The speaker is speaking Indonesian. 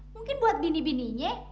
mungkin buat bini bininya